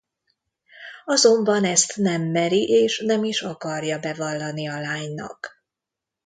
Azonban ezt nem meri és nem is akarja bevallani a lánynak.